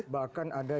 bahkan ada yang